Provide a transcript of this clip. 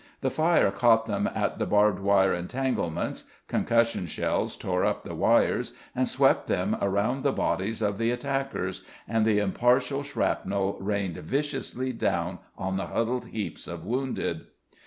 The fire caught them at the barbed wire entanglements, concussion shells tore up the wires and swept them around the bodies of the attackers, and the impartial shrapnel rained viciously down on the huddled heaps of wounded.